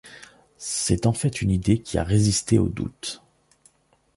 C'est en fait une idée qui a résisté au doute.